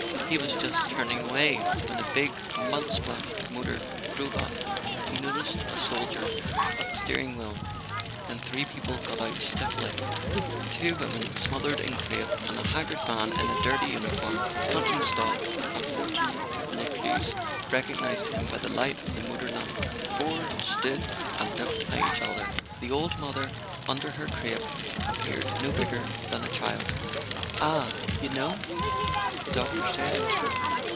He was just turning away when a big mud splashed motor drove up. He noticed a soldier at the steering wheel, then three people got out stiffly: two women smothered in crape and a haggard man in a dirty uni¬ form. Campton stopped, and Fortin Lescluze recog¬ nized him by the light of the motor lamp. The four stood and looked at each other. The old mother, under her crape, appeared no bigger than a child. "Ah—you know?" the doctor said.